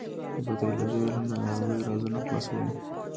د پیتالوژي علم د ناروغیو رازونه خلاصوي.